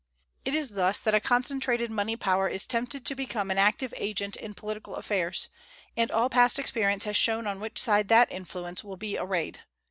It is thus that a concentrated money power is tempted to become an active agent in political affairs; and all past experience has shown on which side that influence will be arrayed.